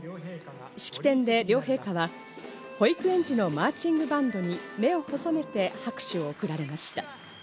式典で両陛下は、保育園児のマーチングバンドに目を細めて拍手を送られました。